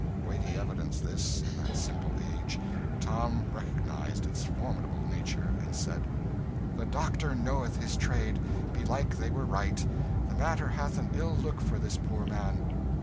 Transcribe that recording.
Weighty evidence, this, in that simple age. Tom recognised its formidable nature, and said "The doctor knoweth his trade belike they were right. The matter hath an ill look for this poor man."